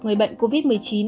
người bệnh covid một mươi chín